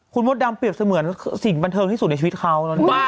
คุณมดดำเปรียบเสมือนสิ่งบันเทิงที่สุดในชีวิตเขา